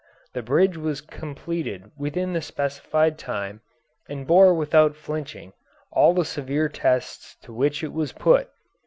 The bridge was completed within the specified time and bore without flinching all the severe tests to which it was put.